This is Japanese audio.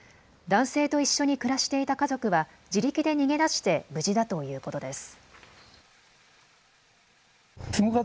男性と一緒に暮らしていた家族は自力で逃げ出して無事だということです。